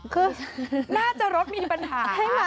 คือน่าจะรถมีปัญหา